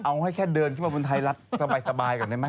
เอาให้แค่เดินขึ้นบันไดไทยรัฐสบายก่อนนะ